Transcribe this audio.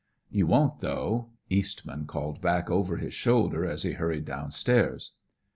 "You won't, though," Eastman called back over his shoulder as he hurried down stairs.